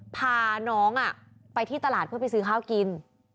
พาน้องไปที่ตลาดเพื่อไปซื้อข้าวกิน